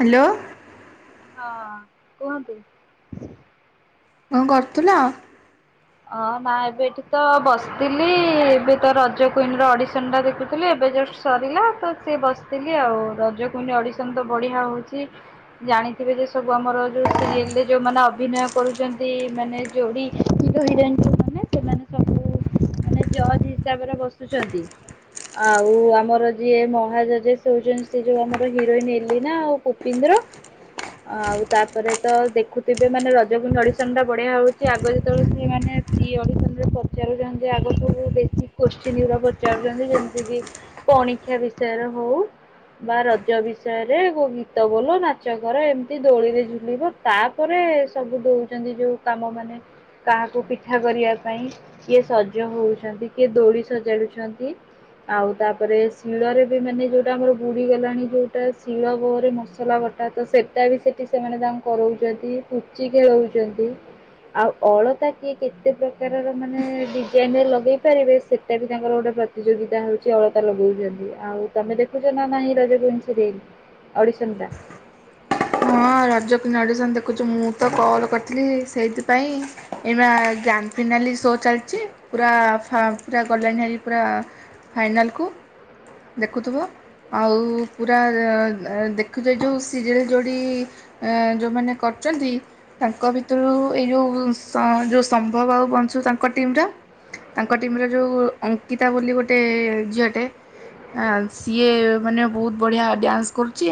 Hello. ହଁ, କୁହନ୍ତୁ। କଁ କରୁଥିଲ। ଅ, ନା ଏବେ ଏଠି ତ ବସିଥିଲି। ଏବେ ତ ରଜ କୁଇନ ର ଅଡିସନ ଟା ଦେଖୁଥିଲି। ଏବେ ଜଷ୍ଟ ସରିଲା ତ ସିଏ ବସିଥିଲି ଆଉ। ରଜ କୁଇନ୍ ଅଡିସନ ତ ବଢିଆ ହଉଛି। ଜାଣିଥିବେ ଯେ ସବୁ ଆମର ଯୋଉ ସିରିଏଲରେ ଯୋଉମାନେ ଅଭିନୟ କରୁଛନ୍ତି ମାନେ ଯୋଡି। ଯୋଉ ହିରୋଇନ୍। ଜଜ ହିସାବରେ ବସୁଛନ୍ତି। ଆଉ ଆମର ଯିଏ ମହାଜଜେସ୍ ‌ସେ ହଉଛନ୍ତି ସେ ଯୋଉ ଆମର ହିରୋଇନ ଏଲିନା ଆଉ ପୁ ପିନ୍ଦର। ଆଉ ତାପରେ ତ ଦେଖୁଥିବେ ମାନେ ରଜକୁଇନ ଅଡିସନ୍ ଟା ବଢିଆ ହଉଛି ଆଗ ଯେତେବେଳେ ସେ ମାନେ। ପ୍ରି ଅଡିଶନ ରେ ପଚାରୁଛନ୍ତି ଆ ଯୋଉ ସବୁ ବେଶିକ କୋଶ୍ଚିନ୍ ଗୁରା ପଚାରୁଛନ୍ତି ଯେମିତି କି ପଣିଖିଆ ବିଷୟରେ ହଉ। ବା ରଜ ବିଷୟରେ କୋଉ ଗୀତ ବୋଲ ନାଚ କର ଏମିତି ଦୋଳିରେ ଝୁଲିବ। ତାପରେ ସବୁ ଦଉଛନ୍ତି ଯୋଉ କାମ ମାନେ। କାହାକୁ ପିଠା କରିବା ପାଇଁ ଇଏ ସଜ୍। ଜ ହଉଛନ୍ତି କିଏ ଦୋଳି ସଜାଡୁଛନ୍ତି। ଆଉ ତାପରେ ଶିଳରେ ବି ମାନେ ଯୋଉଟା ଆମର ବୁଡି ଗଲାଣି ଯୋଉଟା ଶିଳ ବହରେ ମସଲା ବ ଟା ତ ସେଟା ବି ସେଠି ସେମାନେ ତାଙ୍କୁ କରାଉଛନ୍ତି, ପୁଚି ଖେଳଉଛନ୍ତି। ଆଉ ଅଳତା କିଏ କେତେ ପ୍ରକାରର ମାନେ ଡି ଜାଇନ୍ ରେ ଲଗେଇ ପାରିବେ ସେଟା ବି ତାଙ୍କର ଗୋଟେ ପ୍ରତିଯୋଗିତା ହେଉଛି ଅଳତା ଲଗାଉଛନ୍ତି ଆଉ। ତମେ ଦେଖୁଛ ନା ନାହିଁ ରଜ କୁଇନ୍ ସିରିଏଲ ଅଡିଶନ ଟା। ହଁ ରଜ କିଇନ୍ ଅଡ଼ିସନ ଦେଖୁଛୁ ମୁଁ ତ କଲ କରିଥିଲି ସେଇଥିପାଇଁ। ଏଇ ବା ଗ୍ରାଣ୍ଡ ଫିନାଲି ସୋ ଚାଲିଛି ପୁରା ଫ ପୁରା ଗଲାଣି ହାରି ପୁରା। ଫାଇନାଲକୁ। ଦେଖୁଥିବ। ଆଉ ପୁରା ଏ ଏ ଦେଖୁଥିବେ ଯୋଉ ସିରିଏଲ୍। ଯୋଉଠି ଏଁ ଯୋଉ ମାନେ କରୁଛନ୍ତି। ତାଙ୍କ ଭିତରୁ ଏଇ ଯୋଉ ସ ଯୋଉ ସମ୍ଭବ ଆଉ ବଂଶୁ ତାଙ୍କ ଟିମ ଟା। ତାଙ୍କ ଟିମ୍ ରେ ଯୋଉ ଅଙ୍କିତା ବୋଲି ଗୋଟେ ଝିଅଟେ। ଆ ସିଏ ମାନେ ବହୁତ ବଢ଼ିଆ ଡ୍ୟାନ୍ସ କରୁଛି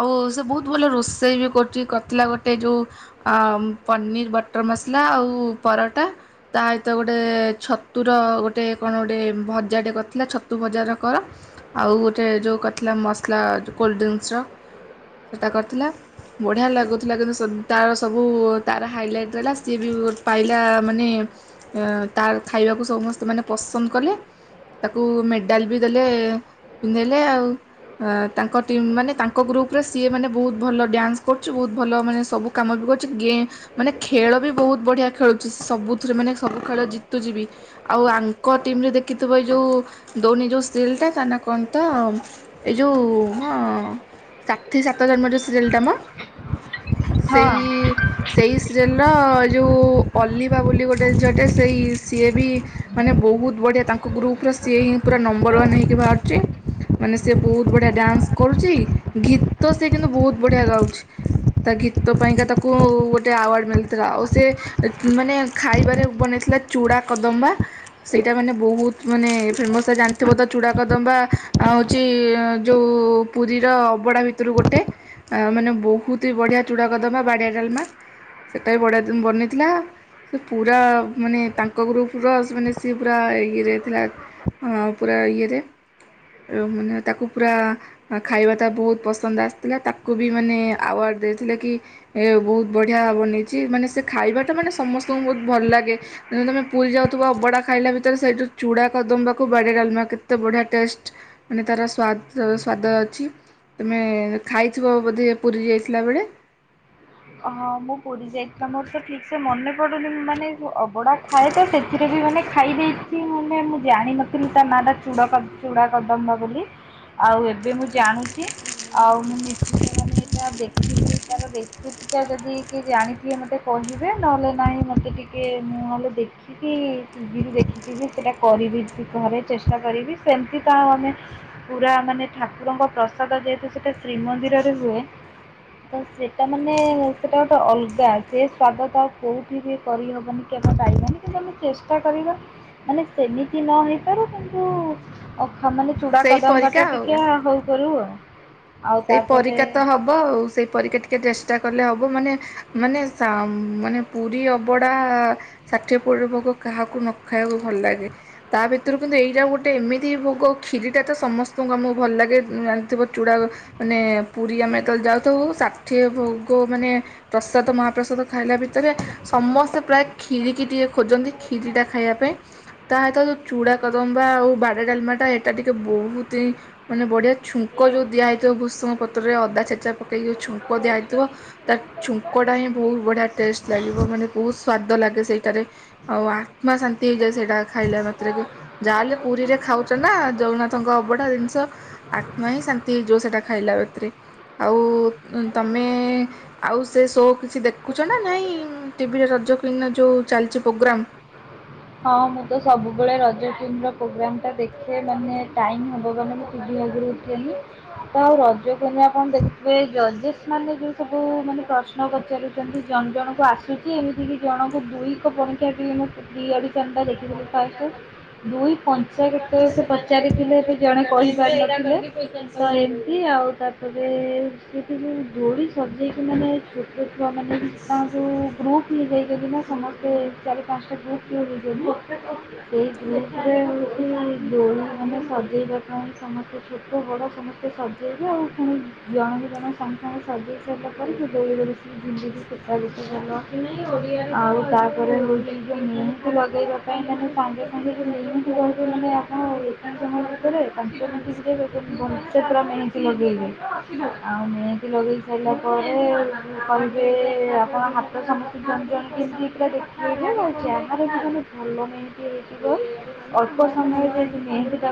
ଆଉ ସେ ବହୁତ। ଭଲ ରୋଷେଇ ବି କରିଚି, କରିଥିଲା ଗୋଟେ ଯୋଉ। ଆ ପନିର୍ ବଟର ମସଲା ଆଉ ପରଟା। ତା ସହିତ ଗୋଟେ ଛତୁର ଗୋଟେ କଣ ଗୋଟେ ଭଜା ଟେ କରିଥିଲା ଛତୁ ଭଜା ଯୋଉ କର। ଆଉ ଗୋଟେ ଯୋଉ କରିଥିଲା ମସଲା ଯୋଉ କୋଲ୍ଡ ଡ୍ରିଙ୍କସ୍ ର। ସେଟା କରିଥିଲା। ବଢିଆ ଲାଗୁଥିଲା କିନ୍ତୁ ସ ତାର ସବୁ ତାର ହାଇଲାଇଟ ରହିଲା ସିଏ ବି ପାଇଲା ମାନେ। ଏଁ ତାର ଖାଇବାକୁ ସମସ୍ତେ ମାନେ ପସନ୍ଦ କଲେ। ତାକୁ ମେଡ଼ାଲ ବି ଦେଲେ ପିନ୍ଧେଇଲେ ଆଉ। ଆଁ ତାଙ୍କ ଟିମ୍ ମାନେ ତାଙ୍କ ଗ୍ରୁପରେ। ସିଏ ମାନେ ବହୁତ ଭଲ ଡ୍ୟାନ୍ସ କରୁଛି ବହୁତ ଭଲ ମାନେ ସବୁ କାମ ବି କରୁଛି ଗେ ମାନେ ଖେଳବି ବହୁତ ବଢିଆ ଖେଳୁଛି ସବୁଥିରେ ମାନେ ସବୁ ଖେଳ ଜିତୁଛି ବି। ଆଉ ଆଙ୍କ ଟିମରେ ଦେଖିଥିବ ଏ ଯୋଉ ଦଊନୀ ଯଉ ସିରିଲ ଟା ତା ନା କଣ ତ ଏ ଯଉ ହଁ ଥି ସାତ ଜନ୍ମରେ ସିରିଏଲ୍ଟା ମ ସେଇ ହଁ। ସେଇ ସିରିଏଲ ର ଯଉ ଅଲିଭା ବୋଲି ଗୋଟେ ଝିଅଟେ ସେଇ ସିଏ ବି ମାନେ ବହୁତ ବଢ଼ିଆ ତାଙ୍କ ଗ୍ରୁପର ସିଏ ହିଁ ପୁରା ନମ୍ବର ୱାନ୍ ହେଇକି ବାହାରୁଛି। ମାନେ ସେ ବହୁତ ବଢିଆ ଡ୍ୟାନ୍ସ କରୁଛି ଗୀତ ସେ କିନ୍ତୁ ବହୁତ ବଢିଆ ଗାଉଛି। ତା ଗୀତ ପାଇଁକା ତାକୁ ଗୋଟେ ଆୱାର୍ଡ଼ ମିଳିଥିଲା ଆଉ ସେ ମାନେ ଖାଇବାରେ ବନେଇଥିଲା ଚୂଡ଼ା କଦମ୍ବା ସେଇଟା ମାନେ ବହୁତ ମାନେ ଫେମସ ଜାଣିଥିବ ତ ଚୂଡ଼ା କଦମ୍ବା ଆଉ ହଉଛି ଯୋଉ ପୁରୀର ଅବଡା ଭିତ ଭିତରୁ ଗୋଟେ ଅ ମାନେ ବହୁତହି ବଢିଆ ଚୁଡାକଦମା ବାଡିଆ ଡାଲମା। ସେଟା ବି ବଢିଆ ଦ ବନେଇଥିଲା। ସେ ପୁରା ମାନେ ତାଙ୍କ ଗ୍ରୁପ୍ର ମାନେ ସିଏ ପୁରା ଇଏରେ ଥିଲା। ଅଁ ପୁରା ଇଏରେ ମାନେ ତାକୁ ପୁରା ଖାଇବା ତା ବହୁତ ପସ ପସନ୍ଦ ଆସିଥିଲା ତାକୁ ବି ମାନେ ଆୱାର୍ଡ଼ ଦେଇଥିଲେ କି ଏ ବହୁତ ବଢିଆ ବନେଇଛି ମାନେ ସେ ଖାଇବାଟା ମାନେ ସମସ୍ତଙ୍କୁ ବହୁତ ଭଲ ଲାଗେ। ମାନେ ତମେ ପୁରୀ ଯାଉଥିବ ଅବଡା ଖାଇଲା ଭିତରେ ସେଇଠୁ ଚୁଡା କଦମ୍ବାକୁ ବାଡିଆ ଡ଼ାଲମା କେତେ ବଢିଆ ଟେଷ୍ଟ। ମାନେ ତାର ସ୍ଵାଦ ସ୍ଵାଦ ଅଛି। ତୁମେ ଖାଇଥିବ ବୋଧେ ପୁରୀ ଯାଇଥିଲା ବେଳେ? ହଁ ମୁଁ ପୁରୀ ଯାଇଚି ତ ମୋର ତ ଠିକସେ ମନେ ପଡୁନି ମାନେ ଅବଡା ଖାଏତ ସେଥିରେ ବି ମାନେ ଖାଇ ଦେଇଥିବି ମାନେ ମୁଁ ଜାଣିିନଥିଲି ତା ନାଟା ଚୁଡ଼ାକ ଚୁଡା କଦମ୍ବା ବୋଲି ଆଉ ଏବେ ମୁଁ ଜାଣୁଛି ଆଉ ମୁଁ ନିଶ୍ଚିନ୍ତ ମାନେ ସେଇଟା ଦେଖିବି ତାର ରେସିି ପିଟା ଯଦି କିଏ ଜାଣିଥିବେ ମତେ କହିବେ ନହେଲେ ନାହିଁ ମତେ ଟିକେ ମୁଁ ନହଲେ ଦେଖି ଦେଖିକି ଟିଭିରୁ ଦେଖିକି ବି ସେଟା କରିବି ଘରେ ଚେଷ୍ଟା କରିବି ସେମିତି ତ ଆଉ ଆମେ ପୁରା ମାନେ ଠାକୁରଙ୍କ ପ୍ରସାଦ ଯେହେତୁ ସେଟା ଶ୍ରୀମନ୍ଦିରରେ ହୁଏ ତ ସେଟା ମ ମାନେ ସେଟା ଗୋଟେ ଅଲଗା ସେ ସ୍ଵାଦଟା ଆଉ କୋଉଠି ବି କରିହବନି କି ଆମେ ପାରିବାନି। କିନ୍ତୁ ଆମେ ଚେଷ୍ଟା କରିବା ମାନେ ସେମିତି ନ ହେଇପାରୁ କିନ୍ତୁ ଅଖା ମାନେ ଚୁଡ଼ା ସେଇ ପରିକା କଦମ୍ବାଟା ଆଉ। ଟିକେ ହଉ କରିବୁ ଆଉ। ଆଉ ସେଇ ତାପରେ ପରିକା ତ ହବ ଆଉ ସେଇ ପରିକା ଟିକେ ଚେଷ୍ଟା କଲେ ହବ ମାନେ ମାନେ ସା ମାନେ ପୁରୀ ଅବଡା ଷାଠିଏ ପଉଟି ଭୋଗ କାହାକୁ ନ ଖାଇବାକୁ ଭଲ ଲାଗେ। ତା ଭିତରୁ କିନ୍ତୁ ଏଇଟା ଗୋଟେ ଏମିତି ଭୋଗ କ୍ଷୀରିଟା ତ ସମସ୍ତଙ୍କୁ ଆମକୁ ଭଲ ଲାଗେ ଜଣିଥିବ ଚୁଡା ମାନେ ପୁରୀ ଆମେ ଯେତେଳେ ଯାଉଥାଉୁ ଷାଠିଏ ଭୋଗ ମାନେ ପ୍ରସାଦ ମହାପ୍ରସାଦ ଖାଇଲା ଭିତରେ ସମସ୍ତେ ପ୍ରାୟ ଖ୍ଷୀରିକି ଟିକେ ଖୋଜନ୍ତି ଖ୍ଷିରିଟା ଖାଇବା ପାଇଁ। ତାସହିତ ଯଉ ଚୁଡ଼ା କଦମ୍ବା ଆଉ ବାଡ଼ିଆ ଡାଲମାଟା ଏଟା ଟିକେ ବହୁତ ହିଁ ମାନେ ବଢିଆ ଛୁଙ୍କ ଯୋଉ ଦିଆହେଇଥିବ ଭୃସଙ୍ଗ ପତ୍ରରେ ଅଦା ଛେଚା ପକେଇକି ଯଉ ଛୁଙ୍କ ଦିଆ ହେଇଥିବ ତା ଛୁଙ୍କଟା ହିଁ ବହୁତ ବଢିଆ ଟେଷ୍ଟ ଲାଗିବ ମାନେ ବହୁତ ସ୍ଵାଦ ଲାଗେ ସେଇଟାରେ। ଆଉ ଆତ୍ମା ଶାନ୍ତି ହେଇଯାଏ ସେଇଟା ଖାଇଲା ମାତ୍ରେକେ। ଯାହା ହେଲେ ପୁରୀରେ ଖାଉଛ ନା ଜଗନ୍ନାଥଙ୍କ ଅବଢା ଜିନିଷ ଆତ୍ମା ହିଁ ଶାନ୍ତି ହେଇ ଯଉ ସେଟା ଖାଇଲା ବତିରେ ଆଉ ତମେ ଆଉ ସେ ଶୋ କିଛି ଦେଖୁଛ ନା ନାଇଁ ଟିଭିରେ ରଜ କୁଇନର ଯୋଉ ଚାଲିଛି ପ୍ରୋଗ୍ରାମ? ହଁ ମୁଁ ତ ସବୁବେଳେ ରଜ ଟିମ୍ର ପ୍ରୋଗ୍ରାମ୍ଟା ଦେଖେ ମାନେ ଟାଇମ୍ ହବ ମାନେ ମୁଁ ଟିଭି ଆଗରେ କେମି ତ ଆଉ ରଜ କେମିତି ଆପଣ ଦେଖଥିବେ ଜଜେସ୍ ମାନେ ଯୋଉ ସବୁ ମାନେ ପ୍ର୍ନ ସ୍ନ, ପଚାରୁଛନ୍ତି ଜଣ ଜଣକୁ ଆସୁଛି, ଏମିତି କିି ଜଣଙ୍କୁ ଦୁଇ କ ପଣିକ୍ଷା ବି ଦି ଆଡୁ [unintelligible] ଦେଖିଦେଲୁ ଫାଷ୍ଟ୍। ଦୁଇ ପଞ୍ଚା କେତେ ସେ ପଚାରିଥିଲେ ଜଣେ କହିପାରିନଥିଲେ। ତ ଏମ୍ତି ଆଉ ତାପରେ ସେଠି ଦୋଳି ସଜେଇକି ମାନେ ଛୋ ଦେ ଛୁଆ ମାନେ ତା ଯୋଉ ଗ୍ରୁପ୍ ହେଇଯାଇଛନ୍ତି ନା ସମସ୍ତେ ଚାରି ପାଞ୍ଚଟା ଗ୍ରୁପ୍ ବିଉ [unintelligible] ସେଇ ଗ୍ରୁପ୍ ରେ ହୋଉଛି ଦୋଳି ମାନେ ସଜେଇବା ପାଇଁ, ସମସ୍ତେ ଛୋଟ ବଡ ସମସ୍ତେ ସଜେଇ ସଜେଇବୁ ଆଉ ପୁଣି ଜଣ କୁ ଜଣ ସସଙ୍ଗେ ସଜେଇ ସାରିଲା ପରେ ସେ ଦୋଳି ରେ ବସେଇକି ଝୁଲେଇବୁ। ଆଉ ତାପରେ ହୋଉଛି ଯେ ମୁ ଲଗେଇବା ପାଇଁ ତମେ ସାଙ୍ଗେ ସାଙ୍ଗେ [unintelligible] ପାଞ୍ଚ ମିଣ୍ଟି ଶିକ୍ଷେଇବେ କିନ୍ତୁ ଭଲସେ ପୁରା ମେହେନ୍ଦୀ ଲଗେଇବେ। ଆଉ ମେହେ ଲଗେଇ ସାରିଲା ପରେ କହିବେ ଆପଣ ହାତ ସମସ୍ତଙ୍କୁ ଜଣ ଜଣ କି ପୁରା ଦେଖ ସିଏ ହିଁ ମଜା। ଆରେ ସେ ମାନେ ଭଲ ମେହେନ୍ଦୀ ହେଇଯିବ, ଅଳ୍ପ ସମୟରେ ବି ମେହେନ୍ଦୀ କରି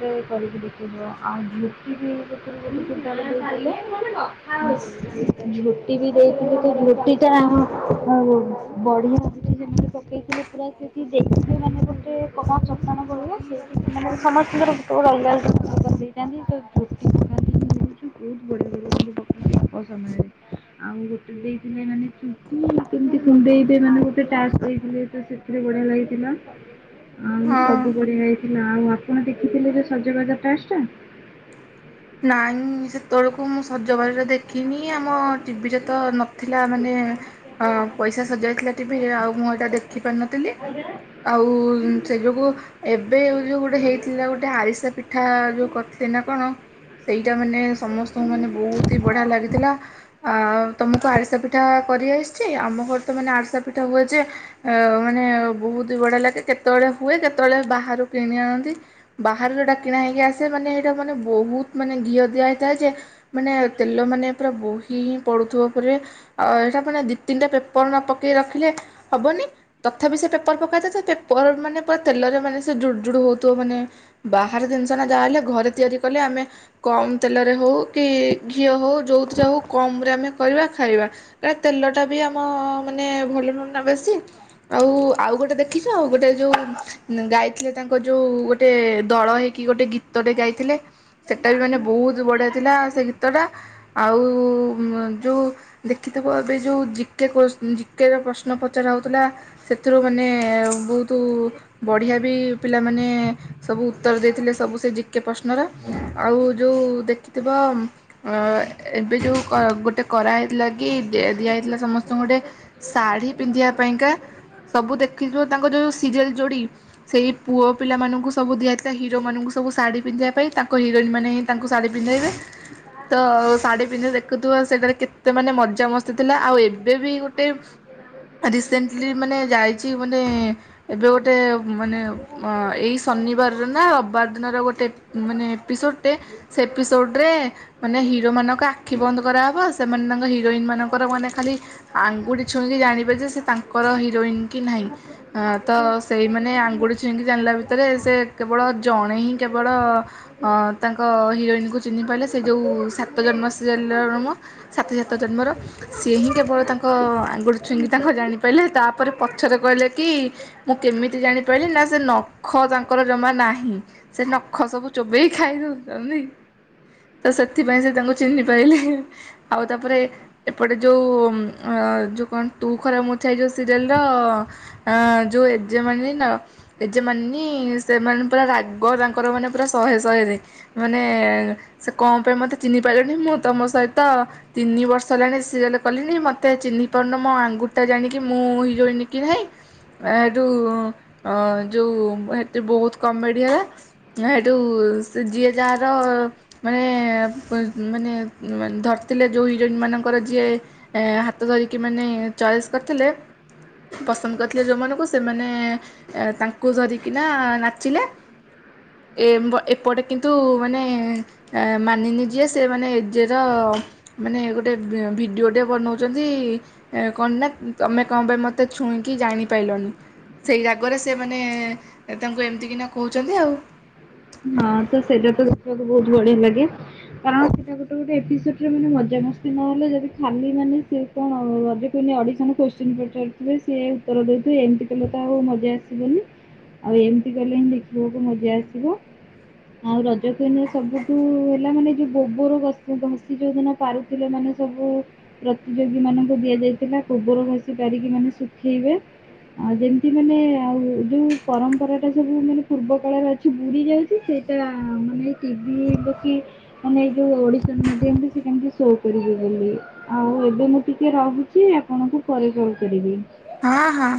[unintelligible] [unintelligible] [unintelligible] ସେ କରିକି ଦେଖିବ ଆଉ ଯେତିକି [unintelligible] ଝୋଟି ବି ଦେଇଥିଲି ତ ଝୋଟି ଟା ଆ ବଢିଆ ସେମାନେ ପକେଇଥିଲେ ପୁରା ସେଠି ଦେଖିବେ ମାନେ ଗୋଟେ କଣ ଚତନ ପଳ ସେ ମ ସମସ୍ତଙ୍କର ର [inaudible] ବହୁତ ବଢି଼ଆ ବ ସମୟରେ ଆଉ ଗୋଟେ ଦେଇଥିଲେ ମାନେ ଚୁଟି କେମିତି କୁଣ୍ଡେଇବେ ମାନେ ଗୋଟେ ଟାସ୍କ ଦେଇଥିଲେ ତ ସେ କେତେ ବଢିଆ ଲାଗିଥିଲା। ଆଉ ସବୁ ହଁ। ବଡିଆ ହେଇଥିଲା। ଆଉ ଆପଣ ଦେଖିଥିଲେ ଯୋଉ ସଜବାଜ ଟାସ୍କ ଟା? ନାଇଁ ସେ ସେତେବେଳକୁ ମୁଁ ସଜବାଜ ଦେଖିନି ଆମ ଟିଭିରେ ତ ନଥିଲା ମାନେ ହଁ ପଇସା ସରିଜାଇଥିଲା ଟିଭିରେ ଆଉ ମୁଁ ଏଇଟା ଦେଖି ପାରିନଥିଲି। ଆଉ ସେ ଯୋଗୁ ଏବେ ଯୋଉ ଗୋଟେ ହେଇଥିଲା ଗୋଟେ ଆରିସା ପିଠା ଯୋଉ କରିଥିଲେ ନା କଣ ସେଇଟା ମାନେ ସମସ୍ତଙ୍କୁ ମାନେ ବୋହୁତ୍ ହି ବଢିଆ ଲାଗିଥିଲା। ଆଉ ତମକୁ ଆରିସା ପିଠା କରିଆସିଛି? ଆମ ଘରେ ତ ମାନେ ଆରିସା ପିଠା ହୁଏ ଯେ ଅ ମାନେ ବୋହୁତ୍ ବଢି଼ଆ ଲାଗେ। କେତେବେଳେ ହୁଏ କେତେବେଳେ ବାହାରୁ କିଣି ଆଣନ୍ତି। ବାହାରୁ ଯୋଉଟା କିଣା ହେଇକି ଆସେ ମାନେ ଏଇଟା ମାନେ ବୋହୁତ୍ ମାନେ ଘିଅ ଦିଆହେଇଥାଏ ଯେ ମାନେ ତେଲ ମାନେ ପୁରା ବୋହି ହିଁ ପଡ଼ୁଥିବ ଉପରେ ଆଉ ଏଇଟା ମାନେ ଦି ତିନିଟା ପେପର ନ ପକେଇ ରଖିଲେ ହବନି ତଥାପି ସେ ପେପର ପକାଇଥାଏ, ସେ ପେପର ମାନେ ପୁରା ତେଲରେ ମାନେ ସେ ଜୁଡ୍ ଜୁଡ଼ୁ ହୋଉଥିବ। ମାନେ ବାହାର ଜିନ୍ଷ ନା ଯାହା ହେଲେ ଘରେ ତିଆରି କଲେ ଆମେ କମ୍ ତେଲରେ ହୋଉ କି ଘିଅ ହୋଉ, ଯୋଉଥିରେ ହୋଉ କମ୍ ରେ ଆମେ କରିବା ଖାଇବା। ତା ତେଲ ଟା ବି ଆମ ମାନେ ଭଲ ନୁହଁ ନା ବେଶୀ। ଆଉ, ଆଉ ଗୋଟେ ଦେଖିଛ ଆଉ ଗୋଟେ ଯୋଉ ଗାଇଥିଲେ ତାଙ୍କ ଯୋଉ, ଗୋଟେ ଦଳ ହେଇକି ଗୋଟେ ଗୀତଟେ ଗାଇଥିଲେ। ସେଟା ବି ମାନେ ବୋହୁତ୍ ବଢ଼ିଆ ଥିଲା, ସେ ଗୀତଟା ଆଉ ଯୋଉ ଦେଖିଥିବ ଏବେ ଯୋଉ ଜିକେ କୋ, ଜିକେ ର ପ୍ରଶ୍ନ ପଚରା ହେଉଥିଲା। ସେଥିରୁ ମାନେ ବହୁତ ବଢି଼ଆ ବି ପିଲାମାନେ ସବୁ ଉତ୍ତର ଦେଇଥିଲେ ସବୁ ସେ ଜିକେ ପ୍ରଶ୍ନର ଆଉ ଯଉ ଦେଖିଥିବ ଅ ଏବେ ଯଉ ଗୋଟେ କରାହେଇଥିଲା କିଦି ଦିଆ ହେଇଥିଲା ସମସ୍ତଙ୍କୁ ଗୋଟେ ଶାଢ଼ୀ ପିନ୍ଧିବା ପାଇଁକା ସବୁ ଦେଖି ଥିବ ତାଙ୍କ ଯୋଉ ସିରେଲ ଯୋଡି଼ ସେଇ ପୁଅ ପିଲା ମାନଙ୍କୁ ସବୁ ଦିଆଇଥିଲା ହିରୋ ମାନଙ୍କୁ ସବୁ ଶାଢୀ ପିନ୍ଧିବା ପାଇଁ ତା ଙ୍କ ହିରୋଇନ୍ ମାନେ ହିଁ ତାଙ୍କୁ ଶାଢ଼ୀ ପିନ୍ଧାଇବେ। ତ ଶାଢୀ ପିନ୍ଧି ଦେଖୁଥିବ ସେଟାରେ କେତେ ମାନେ ମଜା ମସ୍ତି ଥିଲା ଆଉ ଏବେ ବି ଗୋଟେ ରିସେଣ୍ଟଲି ମାନେ ଯାଇଛି ବନେ ଏବେ ଗୋଟେ ମାନେ ଅ- ଏଇ ଶନିବାରରେ ନା ରବିବାର ଦିନର ଗୋଟେ ମାନେ ଏପିସୋଡ଼ଟେ ସେ ଏପିସୋଡ଼ରେ ମାନେ ହିରୋ ମାନଙ୍କ ଆଖି ବନ୍ଦ କରାହେବ ସେମାନ ତାଙ୍କ ହିରୋଇନ ମାନଙ୍କର ମାନେ ଖାଲି ଆଙ୍ଗୁଠି ଛୁଇଁକି ଜାଣିବେ ଯେ ସେ ତାଙ୍କର ହିରୋଇନ କି ନାହିଁ। ଅ ତ ସେଇମାନେ ଆଙ୍ଗୁଠି ଛୁଇଁକି ଜାଣିଲା ଭିତରେ ସେ କେବଳ ଜଣେ ହିଁ କେବଳ ଅ ତାଙ୍କ ହିରୋଇନ୍ କୁ ଚିହ୍ନି ପାରିଲେ ସେ ଯେଉଁ ସାତ ଜନ୍ମ ସିରେଲ ର ମ- ସାତ ଯାତ ଜନ୍ମର ସିଏ ହିଁ କେବଳ ତାଙ୍କ ଆଙ୍ଗୁଠି ଛୁଇଁ କି ତାଙ୍କ ଜାଣିପାଇଲେ ତାପରେ ପଛରେ କହିଲେ କି ମୁଁ କେମିତି ଜାଣିପାରିଲି ନା ସେ ନଖ ତାଙ୍କର ଜମା ନାହିଁ ସେ ନଖ ସବୁ ଚୋବେଇ ଖାଇ ଦଉଛନ୍ତି ତ ସେଥିପାଇଁ ସେ ତାଙ୍କୁ ଚିହ୍ନି ପାଇଲେ ଆଉ ତାପରେ ଏପଟେ ଯଉ ଅ -ଯଉ କଣ ତୁ ଖରା ମୁ ଛାଇ ଯୋଉ ସିରେଲ୍ ର ଅଁ ଯୋଉ ଏ ଯେ ମାନି ନା ଓ ଏ ଯେ ମାନି ସେମାନେ ପୁରା ରାଗ ତାଙ୍କର ମାନେ ପୁରା ଶହେ ଶହେରେ ମାନେ ସେ କଣ ପାଇଁ ମୋତେ ଚିହ୍ନିପାଇଲାନି ମୁଁ ତମ ସହିତ ତିନି ବର୍ଷ ହେଲାଣି ସିରେଲ୍ କଲିଣି ମତେ ଚିହ୍ନି ପାରୁନ ମୋ ଆଙ୍ଗୁୁଠି ଟା ଜାଣିକି ମୁଁ ହିରୋଇନ କି ନାଇଁ ଆ ଏଠୁ ଆ ଯଉ ଏଠି ବହୁତ କମେଡିଆ ସେଇଠୁ ସେ ଯିଏ ଯାହାର ମାନେ ମାନେ ଧରିଥିଲେ ଯେଉଁ ହିରୋଇନ୍ ମାନଙ୍କର ଯିଏ ଏ ହାତ ଧରିକି ମାନେ ଚଏସ୍ କରିଥିଲେ। ପସନ୍ଦ କରିଥିଲେ ଯେଉଁମାନଙ୍କୁ ସେମାନେ ତାଙ୍କୁ ଧରିକିନା ନାଚିଲେ ଏ [unintelligible] ଏପଟେ କିନ୍ତୁ ମାନେ ମାନିନି ଯିଏ ସେ ମାନେ ଏଜେ ର ମାନେ ଗୋଟେ ଭିଡ଼ିଓଟେଏ ବନଉଛନ୍ତି। ଏ କଣ ନା ତମେ କଣ ପାଇଁ ମତେ ଛୁଇଁକି ଜାଣିପାରିଲନି ସେଇ ରାଗରେ ସେମାନେ ତାଙ୍କୁ ଏମିତିକିନା କହୁଛନ୍ତି ଆଉ ହଁ ତ ସେଇଟା ତ ଦେଖିବାକୁ ବହୁତ ବଢିଆ ଲାଗେ କାରଣ ସେଟା ଗୋଟେ ଗୋଟେ ଏପିସୋଡରେ ମାନେ ମଜାମସ୍ତି ନହେଲେ ଯଦି ଖାଲି ମାନେ ସେ କଣ ରଜ କ୍ୱିନ ଅଡିଶନ କୋଶ୍ଚିନ ପଚାରୁଥିଲେ ସିଏ ଉତ୍ତର ଦେଇଉଥିବେ ଏମିତି କଲେ ତାଉ ମଜା ଆସିବନି ଆଉ ଏମିତି କଲେ ହିଁ ଦେଖିବାକୁ ମଜା ଆସିବ। ଆଉ ରଜ କ୍ୱିନରେ ସବୁଠୁ ହେଲା ମାନେ ଯୋଉ ଗୋବର ଘଷି ଘଷି ଯୋଉ ଦିନ ପାରୁଥିଲେ ମାନେ ସବୁ ପ୍ରତିଯୋଗୀ ମାନଙ୍କୁ ଦିଆଯାଇଥିଲା ଗୋବର ଘଷି ପାରିକି ମାନେ ଶୁଖେଇବେ। ଆଉ ଯେମିତି ମାନେ ଆଉ ଯୋଉ ପରମ୍ପରା ଟା ସବୁ ମାନେ ପୂର୍ବ କାଳରେ ଅଛି। ପୁରି ଯାଉଛି ସେଇଟା ମାନେ ଟିଭି ଦେଖି ମାନେ ଏଇ ଯୋଉ ଓଡିଶନ ମାଧ୍ୟମରେ ସେ କେମିତି ଶୋ କରିବେ ବୋଲି ଆଉ ଏବେ ମୁଁ ଟିକେ ରହୁଛି ଆପଣଙ୍କୁ ପରେ କଲ କରିବି। ହଁ ହଁ